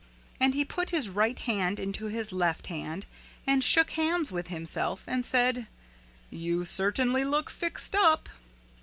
And he put his right hand into his left hand and shook hands with himself and said, "You certainly look fixed up."